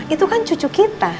itu kan cucu kita